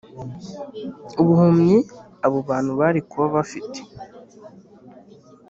ubuhumyi abo bantu bari kuba bafite